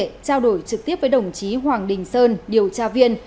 trao đổi trực tiếp với đồng chí hoàng đình sơn điều tra viên